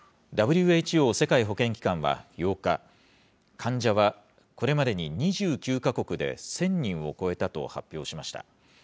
ＷＨＯ・世界保健機関は８日、患者はこれまでに２９か国で１０００人を超えたと発表しました。